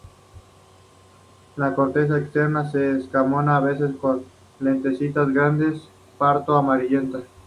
La corteza externa es escamosa, a veces con lenticelas grandes pardo amarillenta.